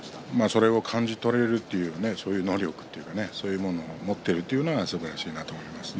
それを感じ取れる能力というかそういうものを持っているというのがすばらしいなと思いますね。